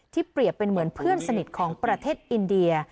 เปรียบเป็นเหมือนเพื่อนสนิทของประเทศอินเดีย